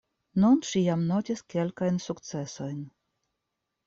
Nun ŝi jam notis kelkajn sukcesojn.